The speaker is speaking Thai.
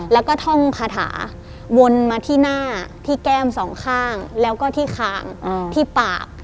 แล้วก็ท่องคาถาวนมาที่หน้าที่แก้มสองข้างแล้วก็ที่คางที่ปาก